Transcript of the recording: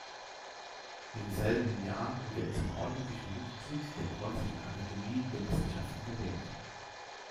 Im selben Jahr wurde er zum ordentlichen Mitglied der Preußischen Akademie der Wissenschaften gewählt.